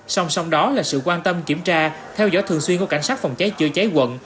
song song đó là sự quan tâm kiểm tra theo dõi thường xuyên của cảnh sát phòng cháy chữa cháy quận